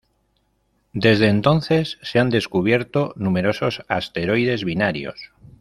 Desde entonces, se han descubierto numerosos asteroides binarios.